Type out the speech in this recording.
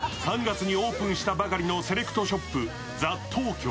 訪れたのは３月にオープンしたばかりのセレクトシップ・ＴＨＥＴＯＫＹＯ。